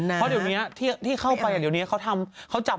เพราะเดี๋ยวนี้ที่เข้าไปเดี๋ยวนี้เขาทำเขาจับ